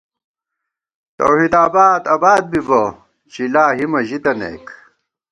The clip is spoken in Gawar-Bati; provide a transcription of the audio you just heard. توحید آباد آباد بِبہ ، چِلا ہیمہ ژی تَنَئیک